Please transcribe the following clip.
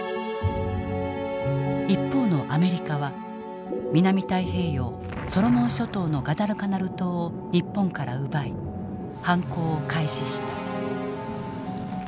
一方のアメリカは南太平洋ソロモン諸島のガダルカナル島を日本から奪い反攻を開始した。